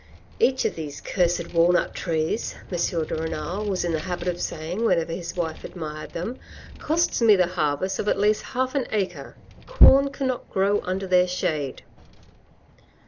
" Each of these cursed walnut trees," M. de Renal was in the habit of saying, whenever his wife admired them, " costs me the harvest of at least half an acre; corn cannot grow under their shade."